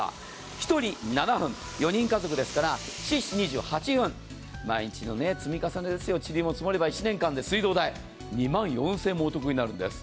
１人７分、４人家族ですから４×７で２８分、毎日の積み重ねですよ、ちりも積もれば毎日の水道代が２万４０００円もお得になるんです。